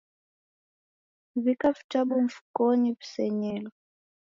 Wika vitabu mfukonyi visenyelo